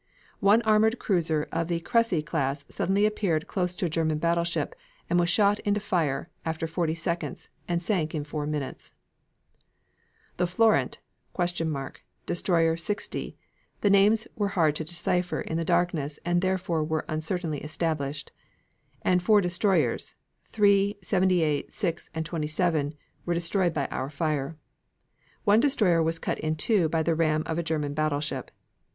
One armored cruiser of the Cressy class suddenly appeared close to a German battleship and was shot into fire after forty seconds, and sank in four minutes. The Florent (?) Destroyer 60, (the names were hard to decipher in the darkness and therefore were uncertainly established) and four destroyers 3, 78, 06, and 27 were destroyed by our fire. One destroyer was cut in two by the ram of a German battleship.